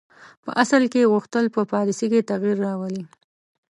په اصل کې یې غوښتل په پالیسي کې تغییر راولي.